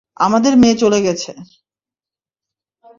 আমাদের মেয়ে চলে গেছে!